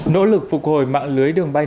nỗ lực phục hồi mạng lưới đường bay